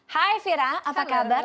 hai vira apa kabar